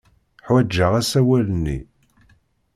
Ḥwajeɣ asawal-nni.